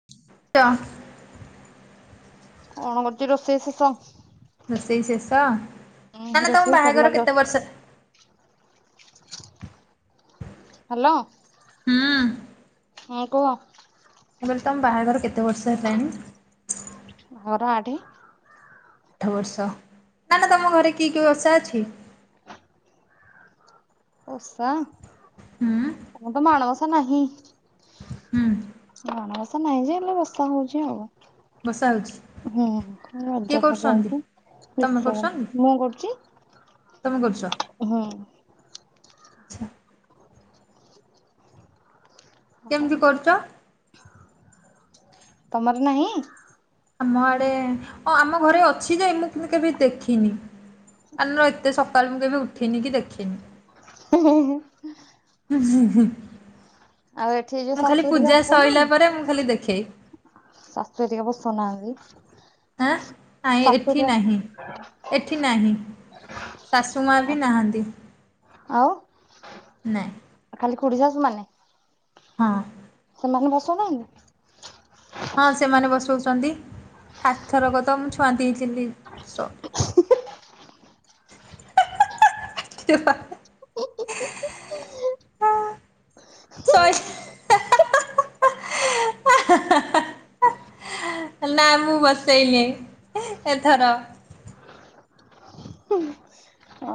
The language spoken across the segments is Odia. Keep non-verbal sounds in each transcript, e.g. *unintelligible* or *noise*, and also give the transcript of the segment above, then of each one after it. *unintelligible* କଣ କରୁଛି ରୋଷେଇ ଶେଷ। ରୋଷେଇ ଶେଷ, ଉଁ ନା ନା ରୋଷେଇ ତମ ସରିଲା ବାହାଘର ଜଷ୍ଟ। କେତେ ବର୍ଷ ହ୍ୟାଲୋ। ହୁଁ ମୁଁ ହଁ କୁହ। ମୁଁ କହିଲି ତମ ବାହାଘର କେତେ ବର୍ଷ ହେଲାଣି? ଘର ଆଠ। ଆଠ ବର୍ଷ ନା ନା ତମ ଘରେ କି କି ଓସା ଅଛି? ଓଷା। ହୁଁ। ଆମ ତ ମାଣ ବସା ନାହିଁ। ହୁଁ। ମାଣବସା ନାହିଁ ଯେ ହେଲେ ବସା ହଉଛି ବସା ହଉଛି। ଆଉ। ହୁଁ କିଏ ରଜ ଭାଗ କରୁଛନ୍ତି? ଅଛି ତମେ ନିଶ୍ଚ କରୁଛନ୍ତି? ମୁଁ କରୁଛି। ତମେ କରୁଛ? ହୁଁ। ଆଚ୍ଛା କେମିତି କରୁଛ? ତମର ନାହିଁ। ଆମ ଆଡେ ଅଁ ଆମ ଘରେ ଅଛି ଯେ ମୁଁ କିନ୍ତୁ କେବେ ଦେଖିନି। ଆନୁ ଏତେ ସକାଳ ମୁଁ କେବେ ଉଠିନି କି ଦେଖିନି। *unintelligible* ହୁଁ ହୁଁ ହୁଁ। ଆଉ ଏଠି ଯୋଉ ଶାଶୁ ହେରିକା ବସୋ ସଇଲା ଉନାହନ୍ତି। ପରେ ମୁଁ ଖାଲି ଦେଖେ। ଶାଶୁ ହେରିକା ବସୁନାହାନ୍ତି। ଆଁ ନାଇଁ ଏଠି ନାହିଁ, ଏଠି ନାହିଁ। ଶାଶୁ ମା ବି ନାହାନ୍ତି। ଆଉ ନାଇଁ ଖାଲି ଖୁଡି ଶାଶୁ ମାନେ। ହଁ। ସେମାନେ ବସଉନାହାନ୍ତି। ହଁ ସେମାନେ ବସଉଛନ୍ତି, ଖା ଥରକ ତ ମୁଁ ଛୁଆଁତି ହେଇଥିଲି। *unintelligible* *unintelligible* ସଇ *unintelligible* ନା ମୁଁ ବସେଇ ନେଇ ଏଥର।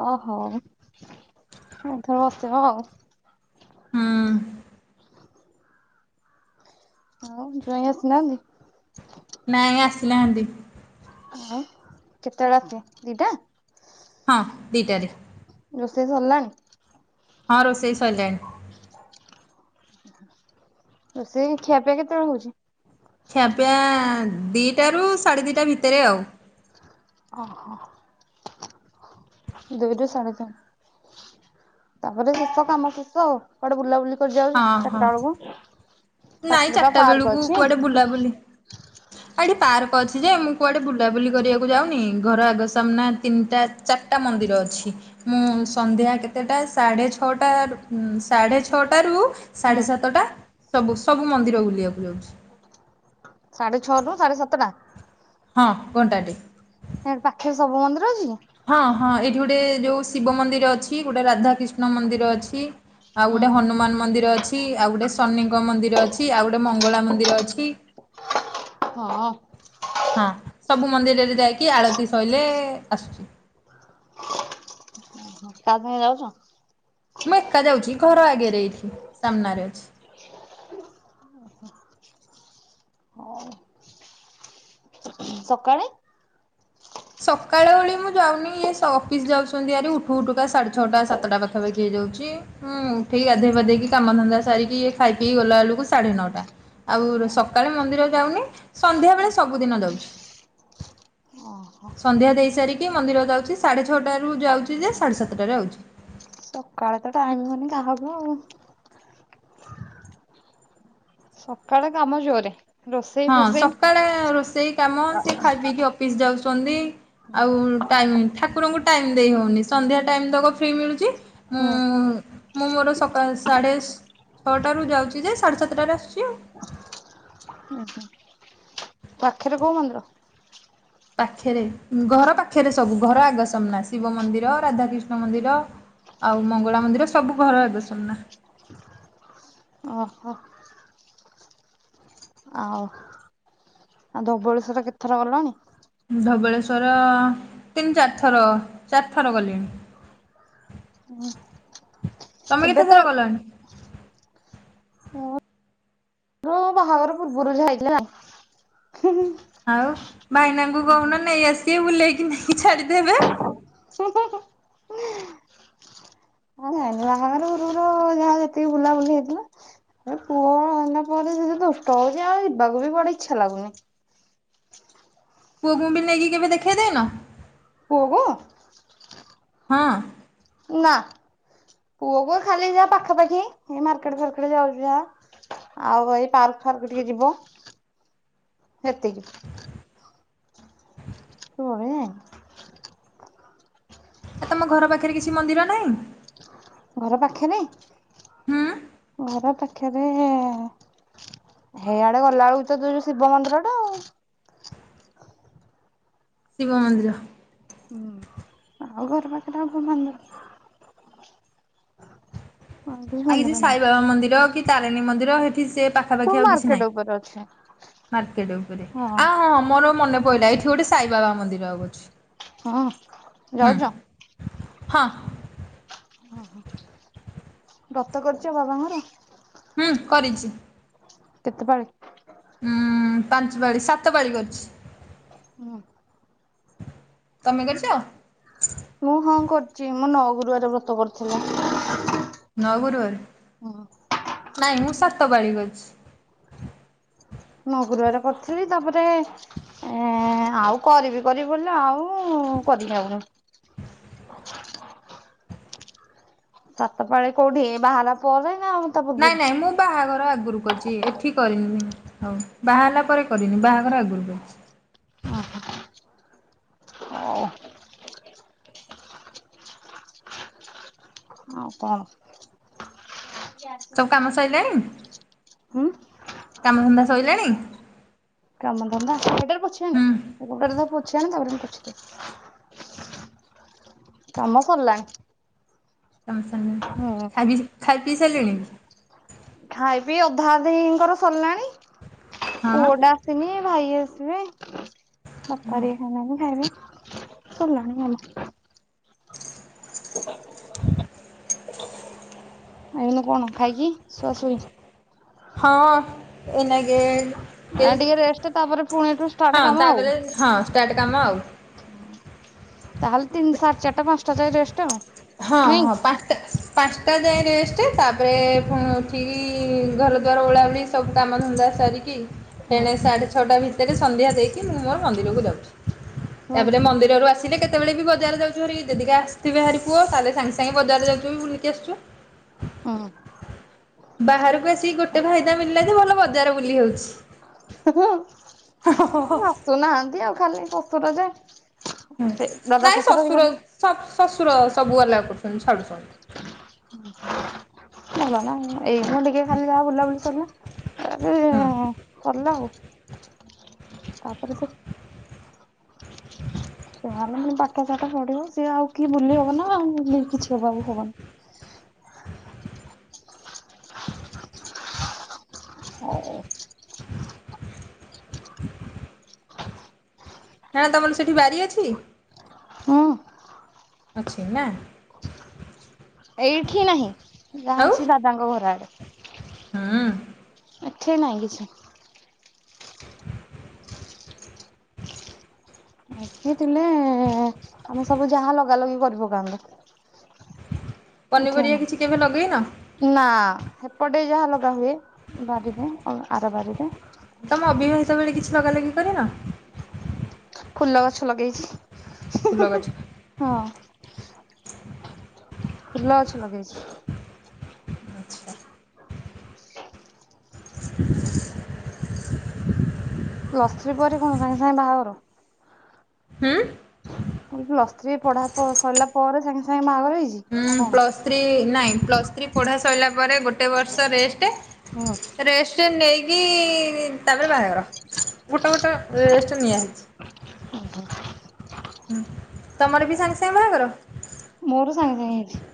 ଓହୋ ଉ ଏଥର ବସେଇବ ଆଉ। ହୁଁ। ଆଉ ଜ୍ୱାଇଁ ଆସିନାହାନ୍ତି? ନାଇଁ ଆସିନାହାନ୍ତି। ଆଉ କେତେବେଳେ ଆସିବେ ଦିଟା? ହଁ ଦିଟା ରେ। ରୋଷେଇ ସରିଲାଣି? ହଁ ରୋଷେଇ ସଇଲାଣି। ରୋଷେଇ ଖିଆ ପିଆ କେତେବେଳେ ହଉଚି? ଖିଆ ପିଆ ଦିଇଟାରୁ ସାଢ଼େ ଦିଇଟା ଭିତରେ ଆଉ। ଅ ହ। ଦୁଇରୁୁ ସାଢେ ଦୁଇ। ତାପରେ ଶେଷ କାମ ଶେଷ ଆଉ। କୁଆଡେ ବୁଲାବୁଲି କରି ହଁ ଯାଉଚ ହଁ ଚାରଟା ବେଳକୁ? ନାଇଁ ପାଖରେ ବା ଚାରିଟା ପାର୍କ ବେଳକୁ ଅଛି କୁଆଡେ ହୁଁ ବୁଲାବୁଲି ଆ ଏଠି ପାର୍କ ଅଛି ଯେ ମୁଁ କୁଆଡେ ବୁଲାବୁଲି କରିବାକୁ ଯାଉନି। ଘର ଆଗ ସାମ୍ନା ତିନିଟା ଚାରିଟା ମନ୍ଦିର ଅଛି। ମୁଁ ସନ୍ଧ୍ୟା କେତେଟା ସାଢେ ଛଅଟା ରୁ ସାଢେ ଛଅଟାରୁ ସାଢ଼େ ସାତଟା ସବୁ ସବୁ ମନ୍ଦିର ବୁଲିବାକୁ ଯାଉଚି। ସାଢେ ଛଅରୁୁ ସାଢେ ସାତଟା? ହଁ ଘଣ୍ଟା ଟେ। ସିଆଡେ ପାଖେରେ ସବୁ ମନ୍ଦିର ଅଛି? ହଁ ହଁ ଏଇଠି ଗୋଟେ ଯୋଉ ଶିବ ମନ୍ଦିର ଅଛି, ଗୋଟେ ରାଧାକ୍ରିଷ୍ଣ ମନ୍ଦିର ଅଛି। ଆଉ ହୁଁ ଗୋଟେ ହନୁମାନ ମନ୍ଦିର ଅଛି, ଆଉ ଗୋଟେ ଶନିଙ୍କ ମନ୍ଦିର ଅଛି, ଆଉ ଗୋଟେ ମଙ୍ଗଳା ମନ୍ଦିର ଅଛି। ହଁ। ହଁ। ସବୁ ମନ୍ଦିରରେ ଯାଇକି ଆଳତି ଶଇଲେ ଆସୁଚି। କାହା ସାଙ୍ଗେ ଯାଉଚ? ମୁଁ ଏକା ଯାଉଚି ଘର ଆଗେରେ ଏଇଠି ସାମ୍ନାରେ ଅଛି। ସକାଳେ? ସକାଳ ଓଳି ମୁଁ ଯାଉନି ଇଏ ଅଫିସ୍ ଯାଉଛନ୍ତି ଭାରି ଉଠୁ ଉଠୁକା ସାଢ଼େ ଛଅଟା ସାତଟା ପାଖାପାଖି ହେଇଯାଉଚି। ହୁଁ ଉଠିକି ଗାଧେଇ ପାଧେଇକି କାମଧନ୍ଦା ସାରିକି ଇଏ ଖାଇ ପିଇକି ଗଲା ବେଳକୁ ସାଢେ ନଅ ଟା। ଆଉ ସକାଳେ ମନ୍ଦିର ଯାଉନି। ସନ୍ଧ୍ୟାବେଳେ ସବୁଦିନ ଯାଉଚି। ଓହୋ ସନ୍ଧ୍ୟା ଦେଇସାରିକି ମନ୍ଦିର ଯାଉଚି, ସାଢ଼େ ଛଅଟାରୁ ଯାଉଚି ଯେ ସାଢ଼େ ସାତଟାରେ ଆଉଚି। ସକାଳେ ତ ଟାଇମ ହଉନି କାହାକୁ ଆଉ। ସକାଳେ କାମ ଜୋରେ। ରୋଷେଇ ହଁ ଫୋଷେଇ ସକାଳେ ରୋଷେଇ କାମ। ସେ ଖାଇ ପିଇକି ଅଫିସ୍ ଯାଉଛନ୍ତି। ଆଉ ଟାଇମି ଠାକୁରଙ୍କୁ ଟାଇମ୍ ଦେଇ ହଉନି। ସନ୍ଧ୍ୟା ଟାଇମ୍ ତକ ଫ୍ରି ମିଳୁଚି। ହୁଁ ମୁଁ ମୁଁ ମୋର ସକାଳ ସାଢ଼େ ଛଅଟାରୁ ଯାଉଚି ଯେ ସାଢ଼େ ସାତଟାରେ ଆସୁଚି ଆଉ। ଉଁ ହୁଁ। ପାଖେରେ କୋଉ ମନ୍ଦିର? ପାଖେରେ, ଘର ପାଖେରେ ସବୁ। ଘର ଆଗ ସାମ୍ନା ଶିବ ମନ୍ଦିର, ରାଧାକ୍ରିଷ୍ଣ ମନ୍ଦିର। ଆଉ ମଙ୍ଗଳା ମନ୍ଦିର ସବୁ ଘର ଆଗ ସାମ୍ନା। ଅ ହ। ଆଉ, ଆଉ ଧବଳେଶ୍ୱର କେତ ଥର ଗଲଣି? ଧବଳେଶ୍ଵର ତିନି ଚାରି ଥର ଚାରିଥର ଗଲିଣି। *unintelligible* ତମେ ଏବେ ତ କେତେଥର ଗଲଣି? ମୁଁ ମୋ ବାହାଘର ପୂର୍ବରୁ ଯାହା। *unintelligible* ଆଉ ଭାଇନାଙ୍କୁ କହୁନ ନେଇ ଆସିବେ ବୁଲେଇକି ନେଇକି ଛାଡିଦେବେ। ହୁଁ ହୁଁ ହୁଁ। ହଁ ଭାଇନା ବାହାଘର ପୂର୍ବରୁ ଯାହା ଯେତିକି ବୁଲାବୁଲି ହେଇଥିଲା। ଏ ପୁଅ ହେଲା ପରେ ସେ ଯୋଉ ଦୁଷ୍ଟ ହଉଛି ଆଉ ଯିବାକୁ ବି କୁଆଡେ ଇଚ୍ଛା ଲାଗୁନି। ପୁଅକୁ ବି ନେଇକି କେବେ ଦେଖେଇ ଦେଇନ? ପୁଅକୁ? ହଁ। ନା। ପୁଅକୁ ଖାଲି ଯାହା ପାଖା ପାଖି ହେଇ ମାର୍କେଟ ଫାର୍କେଟ ଯାଉଛି ଯାହା। ଆଉ ଏଇ ପାର୍କ ଫାର୍କ ଟିକେ ଯିବ ସେତିକି। ଫୁଣି ଆଉ। ଏ ତମ ଘର ପାଖରେ କିଛି ମନ୍ଦିର ନାହିଁ? ଘର ପାଖେରେ? ହୁଁ ଘର ପାଖେରେ ହେଇଆଡେ ଗଲାବେଳକୁ ତ ଯୋଉ ଯୋଉ ଶିବ ମନ୍ଦିର ଟା ଆଉ। ଶିବ ମନ୍ଦିର। ହୁଁ ଆଉ ଘର ପାଖରେ ଆଉ କୋଉ ମନ୍ଦିର। ମନ୍ଦିର ଆଇ ଜି ଫନ୍ଦିର ନାହିଁ ସାଇବାବା ମନ୍ଦିର କି ତାରିଣୀ ମନ୍ଦିର ସେଠି ସେ ପାଖା ତୁ ପାଖି ଆଉ କିଛି ମାର୍କେଟ ନାହିଁ। ଉପରେ ଅଛୁ ମାର୍କେଟ ଉପରେ ଆଉ ହଁ ହଁ ମୋର ମନେ ପଇଲା ଏଇଠି ଏଠି ଗୋଟେ ସାଇବାବା ମନ୍ଦିର ଆଉ ଅଛି। ହଁ ହୁଁ ଯାଉଛ? ହଁ। ଓହୋ ବ୍ରତ କରୁଛ ବାବାଙ୍କର? ହୁଁ କରିଛି। କେତେ ପାଳି? ଉୁଁ ପାଞ୍ଚ ପାଳି ସାତ ପାଳି କରିଛି। ହୁଁ। ତମେ କରିଛ? ମୁଁ ହଁ କରୁଛି ମୁଁ ନଅଗୁରୁବାରେ ବ୍ରତ କରିଥିଲି। ନଅ ଗୁରୁବାର ହୁଁ ନାଇଁ ମୁଁ ସାତ ପାଳି କରିଛି। ମୁ ଗୁରୁବାର କରିଥିଲି ତାପରେ ଏ ଆଉ କରିବି କରିବି ବୋଲି ଆଉ କରିପାରୁନି। ସାତ ପାଳି କୋଉଠି ବାହାହେଲା ପରେ ନା ତା ନାଇଁ ପୂର୍ବରୁ ନାଇଁ ମୁଁ ବାହାଘର ଆଗରୁ କରିଛି ଏଠି କରିନିନି ହଉ ବାହା ହେଲା ପରେ କରିନି ବାହାଘର ଆଗରୁ କରିଛି। ଓହ। ଆଉ କଣ? ସବୁ କାମ ସରିଲାଣି ହୁଁ କାମଧନ୍ଦା ସଇଲାଣି? କାମ ଧନ୍ଦା ସେଇଟାର ପୋଛି ହୁଁ ହୋନି ତାପରେ ମୁଁ ପୋଛିଦେବି। କାମ ସରିଲାଣୀ। ତମ ସାଙ୍ଗରେ ହଁ। ଆଗିଚି ଖାଇ ପିଇ ସାରିଲେଣି? ଖାଇ ପିଇ ଅଧା ଅଧିଙ୍କର ସରିଲାଣି ହଁ ପୁଅ ଟା ଆସିନି ଭାଇ ଆସିବେ ବାପା ହେରିକା ଖାଇନାହାନ୍ତୀ ଖାଇବେ। ସରିଲାଣି କାମ। ଏଇନୁ କଣ ଖାଇକି ଶୁଆ ଶୋଇଚି। ହଁ ଏଇନାକେ ଏ ଆ ଟିକେ ରେଷ୍ଟ ତାପରେ ପୁଣି ହେଠୁ ଷ୍ଟାର୍ଟ ହଁ କାମ ଆଉ। ତାପରେ ହଁ ଷ୍ଟାର୍ଟ କାମ ଆଉ ତାହେଲେ ତିନି ସାଢ ଚାରିଟା ପାଞ୍ଚଟା ଯାଏ ରେଷ୍ଟ୍ ଆଉ। ହଁ ନାଇଁ ହଁ ପାଞ୍ଚଟା ପାଞ୍ଚଟା ଯାଏ ରେଷ୍ଟ ତାପରେ ପୁଣି ଉଠିକି ଘର ଦ୍ୱାର ଓଳା ଓଳି ସବୁ କାମ ଧନ୍ଦା ସାରିକି ହୁଁ ଏଣେ ସାଢେ ଛଅଟା ଭିତେରେ ସନ୍ଧ୍ୟା ଦେଇକି ମୁଁ ମୋର ମନ୍ଦିରକୁ ଯାଉଚି ତାପରେ ହଉ ମନ୍ଦିର୍ ଜାରୁ ଆସିଲେ କେତେବେଳେ ବି ବଜାର ଯାଉଚୁ ହାରି ଯଦିକେ ଆସିବେ ହାରି ପୁଅ ତାହେଲେ ସାଙ୍ଗ୍ ସାଙ୍ଗେ ବଜାର ଯାଉଚୁ ବି ବୁଲିକି ଆସୁଚୁ। ଓ ହୋ। ବାହାରକୁ ଆସି ଗୋଟେ ଫାଇଦା ମିଳିଲା ଯେ ଭଲ ବଜାର ବୁଲି ହଉଚି। ଶାଶୁ ହୁଁ ନାହାନ୍ତି ଆଉ ଖାଲି ଶଶୁର ଯେ ସେ ଦଦା ଶଶୁର ଏଇ କାମ। ସବ୍- ଶଶୁର ସବୁ ଅଲଗା କରୁଚନ୍ତି ଛାଡୁଚନ୍ତି। ହଁ- ପରା ଏଇନୁ ଟିକେ ଖାଲି ଯାହା ବୁଲାବୁଲି ସରିଲା। ହୁଁ ଆରେ ସର୍ଲା ଆଉ ତାପରେ ତ *inaudible* ଛୁଆ ମାନେ ପାଠ ସାଠ ପଢିବ ସିଏ ଆଉ କି ବୁଲି ହବ ନା ଆଉ ବି କିଛି ହବ ଆଉ ହବନି। ହୋ। ହାଁ ତମର ସେଠି ବାରି ଅଛି? ହଁ। ଅଛି ନା? ଏଇଠି ନାହିଁ ଯାହା ଆଉ ଅଛି ଦାଦାଙ୍କ ଘର ଆଡେ। ହୁଁ। ଏଠି ନାହିଁ କିଛି। ଏଠିଥିଲେ ଆମେ ସବୁ ଯାହା ଲଗା ଲଗି କରି ପକାନ୍ତୁ। ଏଠି ପନିପରିବା କିଛି କେବେ ଲଗେଇନ? ନାହିଁ। ନା ହେପଟେ ଯାହା ଲଗା ହୁଏ ବାରିରେ ଆର ବାରିରେ। ତମେ ଅବିବାହିତ ବେଳେ କିଛି ଲଗା ଲଗି କରିନ? ଫୁଲ ଗଛ ଲଗେଇଚି। ଫୁଲ ଗଛ? ହଁ -ଫୁଲ ଲଗେଇଚି। ଆଚ୍ଛା *inaudible* ପ୍ଲସ୍ ଥ୍ରୀ ପରେ କଣ୍ ସାଙ୍ଗେ ସାଙ୍ଗେ ବାହାଘର? ହୁଁ। ମୁଁ କହିଲି ପ୍ଲସ୍ ଥ୍ରୀ ପଢା ତ ସରିଲା ପରେ ସାଙ୍ଗେ ସାଙ୍ଗେ ବାହାଘର ହେଇଚି? ଉଁ -ପ୍ଲସ୍ ଥ୍ରୀ -ନାଇଁ ପ୍ଲସ୍ ଥ୍ରୀ ପଢ଼ା ସଇଲା ପରେ ଗୋଟେ ବର୍ଷ ରେଷ୍ଟେ ହୁଁ ରେଷ୍ଟେ ନେଇକି ତାପରେ ବାହାଘର। ଗୋଟେ ଗୋଟେ ରେଷ୍ଟେ ନିଆ ହେଇଚି। *inaudible* ତମର ବି ସାଙ୍ଗେ ସାଙ୍ଗେ ବାହାଘର? ମୋର ସାଙ୍ଗେ ସାଙ୍ଗେ ହେଇଚି।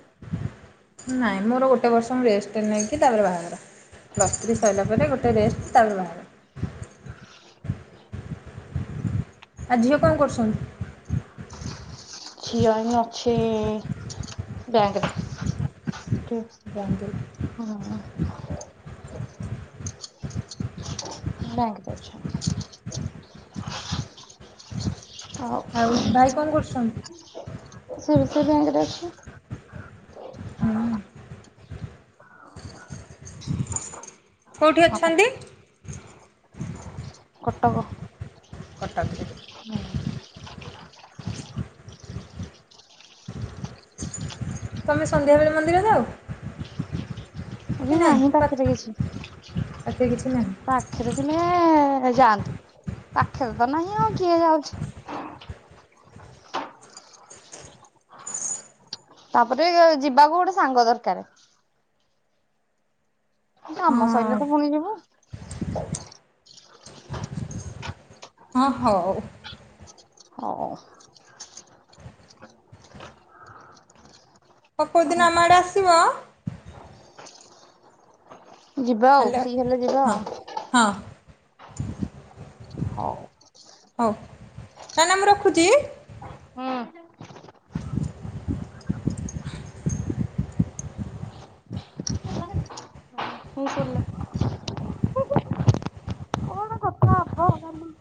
ନାଇଁ ମୋର ଗୋଟେ ବର୍ଷ ମୁଁ ରେଷ୍ଟ ନେଇକି ତାପରେ ବାହାଘର ପ୍ଲସ ଥ୍ରୀ ସରିଲା ପରେ ଗୋଟେ ରେଷ୍ଟ୍ ତା ପରେ ବାହାଘର। ଆ ଝିଅ କଣ କରୁସନ୍ତି? ଝିଅ ଏଇନେ ଅଛି ବ୍ୟାଙ୍କରେ। ବ୍ୟାଙ୍କରେ। *inaudible* ବ୍ୟାଙ୍କ୍ ରେ ଅଛନ୍ତି। ଆଉ ଭାଇ କଣ କରୁଛନ୍ତି? *unintelligible* ବ୍ୟାଙ୍କରେ ଅଛି। ହୁଁ। କଉଠି ହଁ ଅଛନ୍ତି? କଟକ। କଟକ୍ ରେ। ହଁ। ତମେ ସନ୍ଧ୍ୟାବେଳେ ମନ୍ଦିର ଯାଅ? ଏଠି କି ନାଇଁ? ନାହିଁ ପାଖରେ କିଛି ପା ପାଖରେ କିଛି ନାହିଁ। ପାଖରେ କିମେ ଯାଆନ୍ତୁ ପାଖରେ ତ ନାହିଁ ଆଉ କିଏ ଯାଉଛି। ତାପରେ ଯିବାକୁ ଗୋଟେ ସାଙ୍ଗ ଦରକାର। ଆମ ଶର ତ ହଁ ପୁଣି ଯିବ। ହଁ ହଉ ଓଉ। ହଉ ଆଉ କଉଦିନ ଆମ ଆଡ଼େ ଆସିବ। ଯିବା ଆଉ ହ୍ୟାଲୋ ଫ୍ରି ହେଲେ ଯିବା ହଁ ଆଉ। ହଁ। ହଉ ହଉ ନା ନା ମୁଁ ରଖୁଛି। ହୁଁ ସରିଲା କଣ କଥା ହବ କାଲି